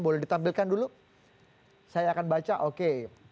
boleh ditampilkan dulu saya akan baca oke